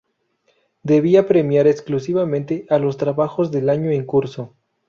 Debía premiar exclusivamente a los trabajos del año en curso.